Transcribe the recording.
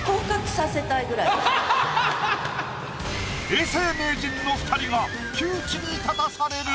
永世名人の２人が窮地に立たされる。